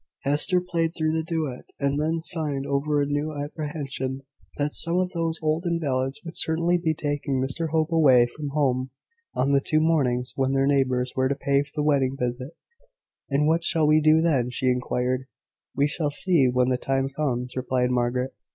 Hester played through the duet, and then sighed over a new apprehension that some of those old invalids would certainly be taking Mr Hope away from home on the two mornings when their neighbours were to pay the wedding visit. "And what shall we do then?" she inquired. "We shall see when the time comes," replied Margaret.